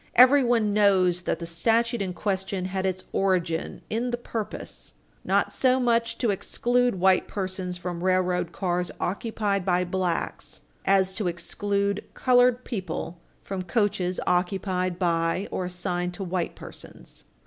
Everyone knows that the statute in question had its origin in the purpose not so much to exclude white persons from railroad cars occupied by blacks as to exclude colored people from coaches occupied by or assigned to white persons.